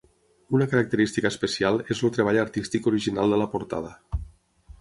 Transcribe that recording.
Una característica especial és el treball artístic original de la portada.